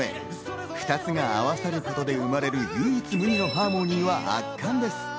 ２つが合わさることで生まれる唯一無二なハーモニーは圧巻です。